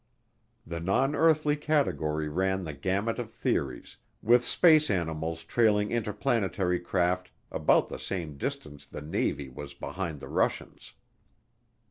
The non earthly category ran the gamut of theories, with space animals trailing interplanetary craft about the same distance the Navy was behind the Russians.